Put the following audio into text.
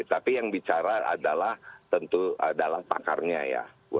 tapi yang bicara adalah tentu adalah pakarnya ya